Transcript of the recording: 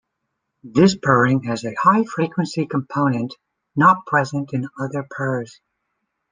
This purring has a high-frequency component not present in other purrs.